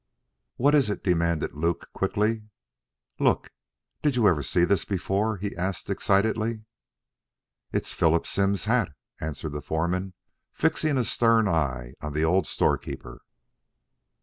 "What is it?" demanded Luke quickly. "Look. Did you ever see this before?" he asked excitedly. "It's Philip Simms's hat," answered the foreman, fixing a stern eye on the old storekeeper.